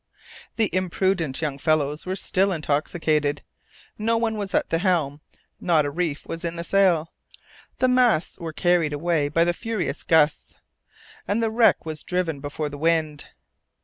The imprudent young fellows were still intoxicated. No one was at the helm, not a reef was in the sail. The masts were carried away by the furious gusts, and the wreck was driven before the wind.